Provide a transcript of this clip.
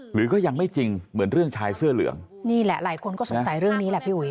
หรือก็ยังไม่จริงเหมือนเรื่องชายเสื้อเหลืองนี่แหละหลายคนก็สงสัยเรื่องนี้แหละพี่อุ๋ย